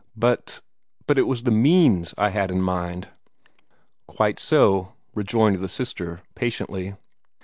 But but it was the means I had in mind." "Quite so," rejoined the sister, patiently.